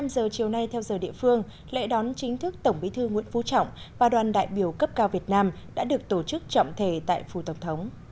một mươi giờ chiều nay theo giờ địa phương lễ đón chính thức tổng bí thư nguyễn phú trọng và đoàn đại biểu cấp cao việt nam đã được tổ chức trọng thể tại phủ tổng thống